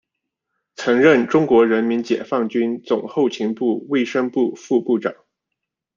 曾任中国人民解放军总后勤部卫生部副部长。